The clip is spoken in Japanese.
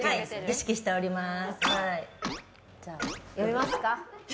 意識しております。